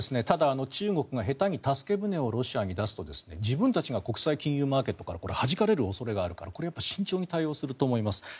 ただ、中国が下手に助け舟をロシアに出すと自分たちが国際金融マーケットからはじかれる可能性があるからこれは慎重に対応すると思います。